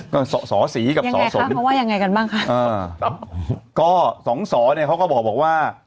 ก็สอสีกับสอสนยังไงคะเขาว่ายังไงกันบ้างค่ะอ่าก็สองสอเนี่ยเขาก็บอกว่า